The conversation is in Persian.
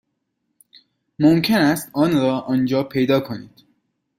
ممکن است آن را آنجا پیدا کنید.